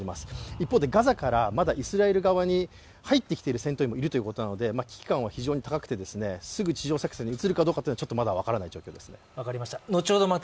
一方でガザからまだイスラエル側に入ってきている戦闘員もいるということなので危機感は非常に高くてすぐ地上作戦に映るかどうかは、ちょっとまだ分からない状態ですね。